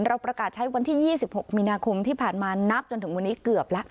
ประกาศใช้วันที่๒๖มีนาคมที่ผ่านมานับจนถึงวันนี้เกือบแล้ว